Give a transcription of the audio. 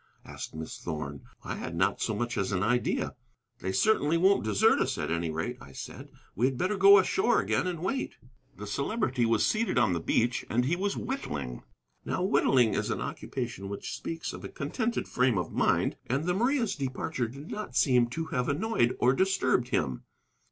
asked Miss Thorn. I had not so much as an idea. "They certainly won't desert us, at any rate," I said. "We had better go ashore again and wait." The Celebrity was seated on the beach, and he was whittling. Now whittling is an occupation which speaks of a contented frame of mind, and the Maria's departure did not seem to have annoyed or disturbed him.